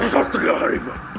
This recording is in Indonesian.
satria hari mau